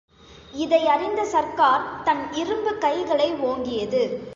இதையறிந்த சர்க்கார் தன் இரும்புக் கைகளை ஓங்கியது.